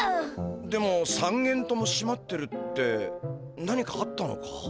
でも３軒ともしまってるって何かあったのか？